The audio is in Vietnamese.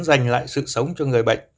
dành lại sự sống cho người bệnh